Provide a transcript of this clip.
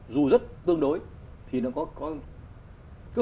dù rất tương đối thì nó có cơ hội